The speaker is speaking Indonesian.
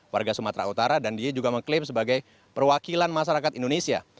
warga sumatera utara dan dia juga mengklaim sebagai perwakilan masyarakat indonesia